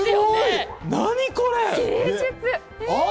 何これ！